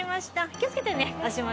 気をつけてね足元。